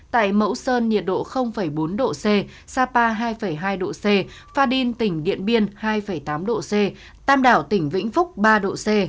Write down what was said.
tại mẫu sơn nhiệt độ bốn độ c sapa hai độ c pha đin tỉnh điện biên hai tám độ c tam đảo tỉnh vĩnh phúc ba độ c